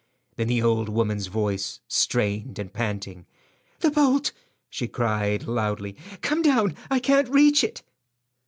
Then the old woman's voice, strained and panting. "The bolt," she cried, loudly. "Come down. I can't reach it."